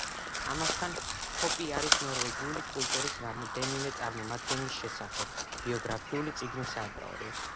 ამასთან, ჰოპი არის ნორვეგიული კულტურის რამდენიმე წარმომადგენლის შესახებ ბიოგრაფიული წიგნის ავტორი.